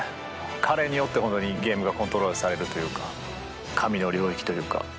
彼によってゲームがコントロールされるというか神の領域というか。